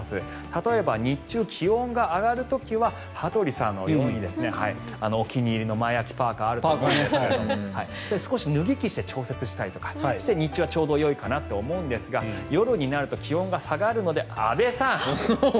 例えば、日中気温が上がる時は羽鳥さんのようにお気に入りの前開きパーカがあると思うので少し脱ぎ着して調節したりして日中はちょうどいいかなと思うんですが夜になると気温が下がるので安部さん。